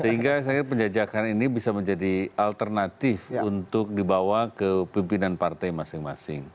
sehingga saya kira penjajakan ini bisa menjadi alternatif untuk dibawa ke pimpinan partai masing masing